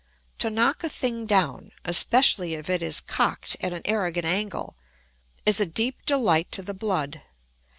To knock a thing down, especially if it is cocked at an arrogant angle, is a deep delight to the blood.